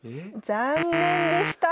残念でした！